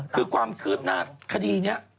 คือความคืบหน้าคดีนี้